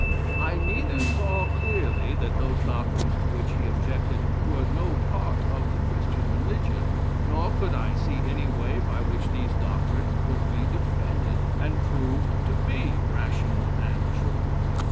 I neither saw clearly that those doctrines to which he objected were no part of the Christian religion, nor could I see any way by which these doctrines could be defended and proved to be rational and true.